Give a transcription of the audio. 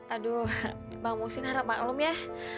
aduh bang musin harap maklum ya